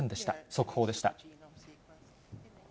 速報でした。